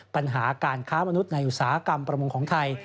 ปัญหาการค้ามนุษย์ในอุตสาหกรรมประมงของไทย